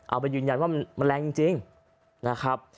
เอาไปยืนยันว่ามันแรงจริงนะครับ